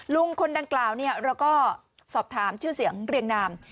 ลุงคนดังกล่าวเราก็สอบถามชื่อเสียงเรียงนาม